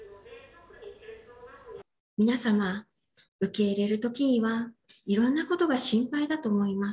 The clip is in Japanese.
皆様受け入れるときにはいろんなことが心配だと思います。